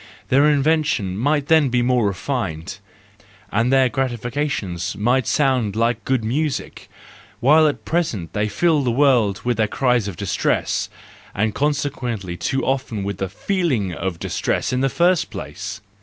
Their inventions might then be more refined, and their gratifications might sound like good music: while at present they fill the world with their cries of distress, and conse¬ quently too often with the feeling of distress in the first place!